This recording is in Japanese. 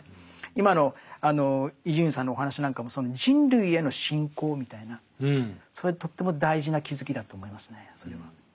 今の伊集院さんのお話なんかもその人類への信仰みたいなそれとっても大事な気付きだと思いますねそれは。